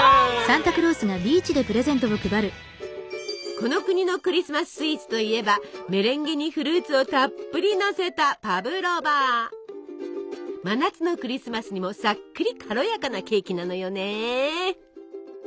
この国のクリスマススイーツといえばメレンゲにフルーツをたっぷりのせた真夏のクリスマスにもさっくり軽やかなケーキなのよね。